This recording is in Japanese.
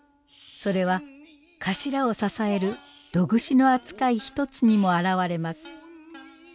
それは頭を支える胴串の扱い一つにも表れます。